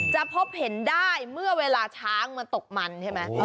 จะพบเห็นได้เมื่อเวลาช้างมันตกมันใช่ไหม